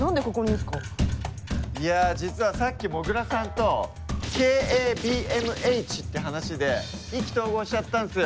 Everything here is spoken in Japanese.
いや実はさっきもぐらさんとＫＡＢＭＨって話で意気投合しちゃったんすよ。